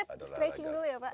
stretching dulu ya pak